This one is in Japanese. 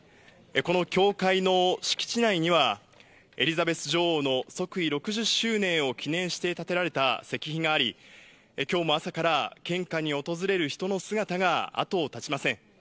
この教会の敷地内には、エリザベス女王の即位６０周年を記念して建てられた石碑があり、きょうも朝から献花に訪れる人の姿が後を絶ちません。